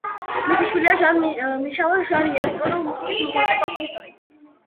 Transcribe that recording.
მისი შვილია ჟან-მიშელ ჟარი, ელექტრონულ მუსიკაში მოღვაწე კომპოზიტორი.